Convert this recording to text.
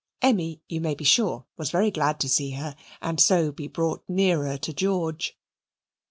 Emmy, you may be sure, was very glad to see her, and so be brought nearer to George.